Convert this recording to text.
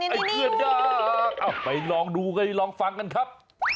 ไอ้เพื่อนยากเอาไปลองดูไปลองฟังกันครับ